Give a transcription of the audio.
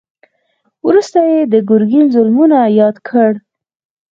وروسته يې د ګرګين ظلمونه ياد کړل.